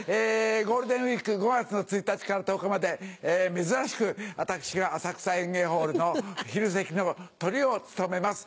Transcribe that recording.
ゴールデンウイーク５月１日から１０日まで珍しく私が浅草演芸ホールの昼席のトリを務めます。